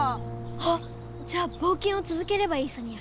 あっじゃあ冒険をつづければいいソニア。